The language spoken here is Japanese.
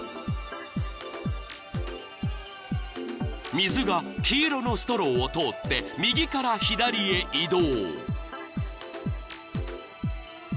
［水が黄色のストローを通って右から左へ移動］